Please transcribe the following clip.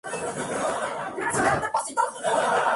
Actualmente, está casado con Cornelia.